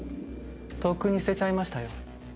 とっくに捨てちゃいましたよ。